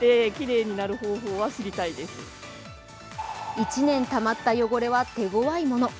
１年たまった汚れは手ごわいもの。